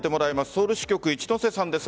ソウル支局・一之瀬さんです。